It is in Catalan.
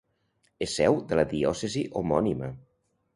És seu de la diòcesi homònima.